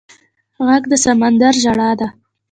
غږ د سمندر ژړا ده